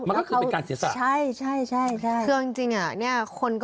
มันก็คือเป็นการศีรษะใช่